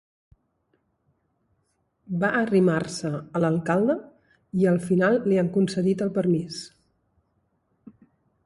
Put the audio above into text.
Va arrimar-se a l'alcalde i al final li han concedit el permís.